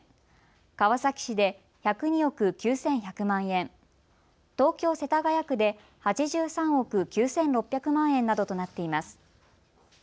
川崎市で１０２億９１００万円、東京世田谷区で８３億９６００万円などとなっています。